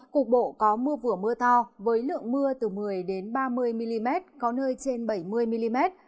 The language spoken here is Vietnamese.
cục bộ có mưa vừa mưa to với lượng mưa từ một mươi ba mươi mm có nơi trên bảy mươi mm